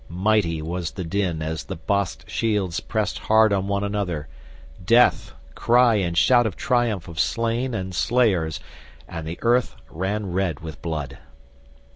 Mighty was the din as the bossed shields pressed hard on one another—death—cry and shout of triumph of slain and slayers, and the earth ran red with blood.